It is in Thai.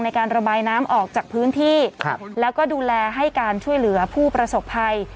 ในการระบายน้ำออกจากพื้นที่แล้วก็ดูแลให้การช่วยเหลือผู้ประสบภัย